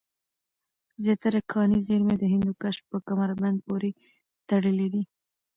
زیاتره کاني زېرمي د هندوکش په کمربند پورې تړلې دی